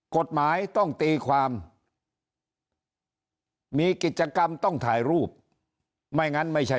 กฎหมายต้องตีความมีกิจกรรมต้องถ่ายรูปไม่งั้นไม่ใช่